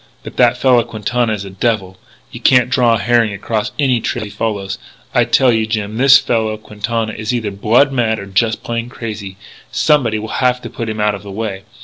But that fellow Quintana is a devil. You can't draw a herring across any trail he follows. I tell you, Jim, this fellow Quintana is either blood mad or just plain crazy. Somebody will have to put him out of the way.